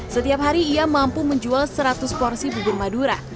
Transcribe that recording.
setiap hari ia mampu menjual seratus porsi bubur madura